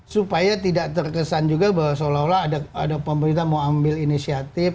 supaya tidak terkesan juga bahwa seolah olah ada pemerintah mau ambil inisiatif